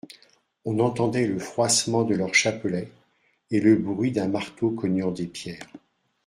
On entendait le froissement de leurs chapelets, et le bruit d'un marteau cognant des pierres.